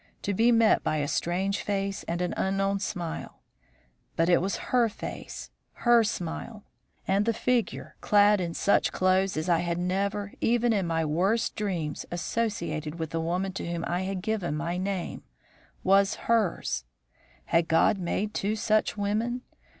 to be met by a strange face and an unknown smile. But it was her face, her smile; and the figure, clad in such clothes as I had never, even in my worst dreams, associated with the woman to whom I had given my name, was hers. Had God made two such women?